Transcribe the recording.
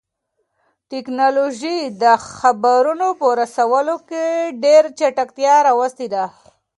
تکنالوژي د خبرونو په رسولو کې ډېر چټکتیا راوستې ده.